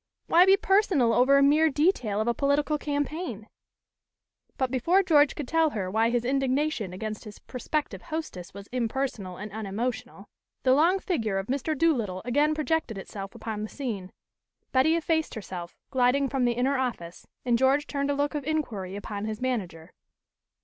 "Why be personal over a mere detail of a political campaign?" But before George could tell her why his indignation against his prospective hostess was impersonal and unemotional, the long figure of Mr. Doolittle again projected itself upon the scene. Betty effaced herself, gliding from the inner office, and George turned a look of inquiry upon his manager.